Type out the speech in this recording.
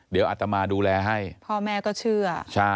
เดี๋ยวอัตมาดูแลให้พ่อแม่ก็เชื่อ